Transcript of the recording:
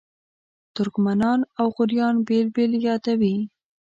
ترکمنان او غوریان بېل بېل یادوي.